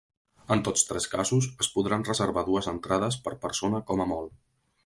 En tots tres casos, es podran reservar dues entrades per persona com a molt.